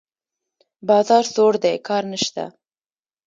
بازار سوړ دی؛ کار نشته.